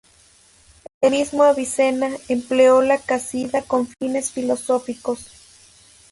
El mismo Avicena empleó la casida con fines filosóficos.